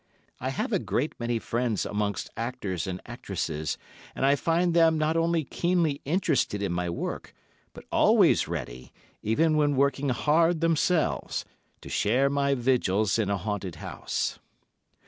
I have a great many friends amongst actors and actresses, and I find them not only keenly interested in my work, but always ready—even when working hard themselves—to share my vigils in a haunted house.